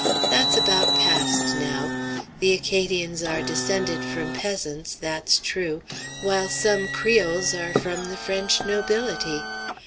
That's about past now. The Acadians are descended from peasants, that's true, while some Creoles are from the French nobility.